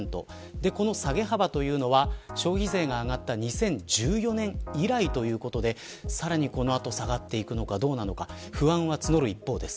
この下げ幅というのは、消費税が上がった２０１４年以来ということでさらに、この後下がっていくのか、どうなのか不安は募る一方です。